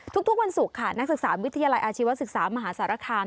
ทุกวันศุกร์ค่ะนักศึกษาวิทยาลัยอาชีวศึกษามหาสารคาม